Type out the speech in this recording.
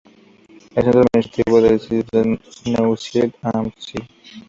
El centro administrativo del distrito es Neusiedl am See.